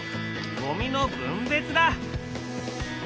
ゴミの分別だ。